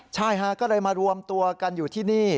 ใช่ฮะก็เลยมารวมตัวกันอยู่ที่นี่